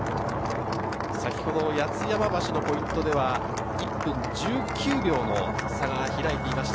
八ツ山橋のポイントでは１分１９秒の差が開いていました。